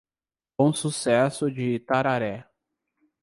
Bom Sucesso de Itararé